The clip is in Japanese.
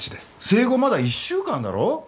生後まだ１週間だろ。